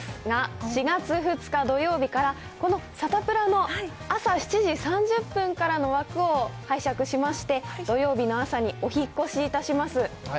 が、４月２日土曜日から、このサタプラの朝７時３０分からの枠を拝借しまして、土曜日の朝にお引越しいたします。